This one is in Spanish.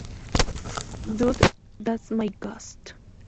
Dude, That's My Ghost!